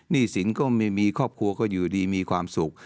สินก็ไม่มีครอบครัวก็อยู่ดีมีความสุข